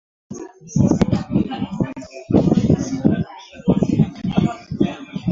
soko sasa holela kwamba wanaweza wakaiingiza vii